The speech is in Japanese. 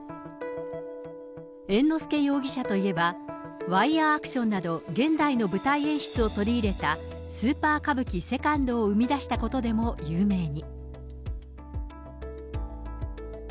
猿之助容疑者といえば、ワイヤーアクションなど、現代の舞台演出を取り入れたスーパー歌舞伎セカンドを生み出したことでも有名に。